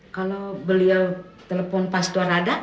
kalau beliau telepon pas tuhan ada